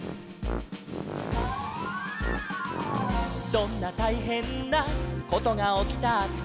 「どんなたいへんなことがおきたって」